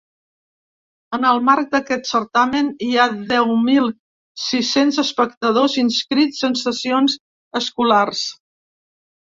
En el marc d’aquest certamen, hi ha deu mil sis-cents espectadors inscrits en sessions escolars.